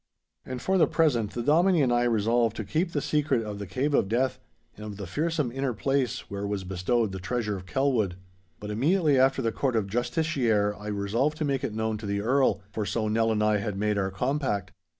And for the present the Dominie and I resolved to keep the secret of the Cave of Death, and of the fearsome inner place where was bestowed the Treasure of Kelwood. But immediately after the Court of Justiceaire I resolved to make it known to the Earl, for so Nell and I had made our compact.